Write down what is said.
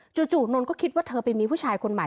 จนนนทก็คิดว่าเธอไปมีผู้ชายคนใหม่